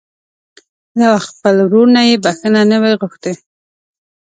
له خپل ورور نه يې بښته نه وي غوښتې.